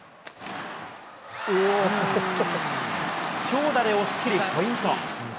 強打で押し切り、ポイント。